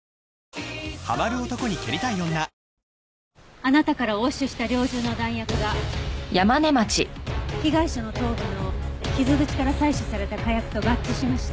あなたから押収した猟銃の弾薬が被害者の頭部の傷口から採取された火薬と合致しました。